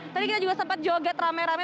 tadi kita juga sempat joget rame rame